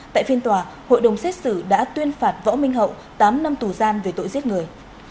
tại phiên tòa hội đồng xét xử đã tuyên phạt võ minh hậu tám năm tù giam về tội giết người